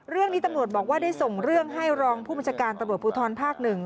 เรื่องนี้ตำรวจบอกว่าได้ส่งเรื่องให้รองผู้บัญชาการตำรวจภูทรภาค๑